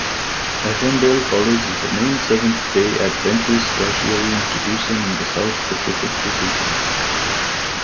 Avondale College is the main Seventh-day Adventist tertiary institution in the South-Pacific Division.